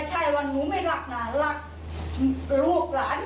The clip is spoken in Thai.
แต่ว่าหนูก็ไม่คิดว่าเขาจะมาทำแบบนี้